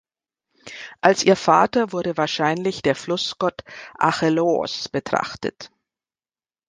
Als ihr Vater wurde wahrscheinlich der Flussgott Acheloos betrachtet.